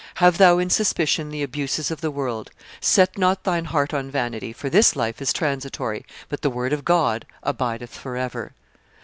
Have thou in suspicion the abuses of the world; set not thine heart on vanity, for this life is transitory, but the word of God abideth forever.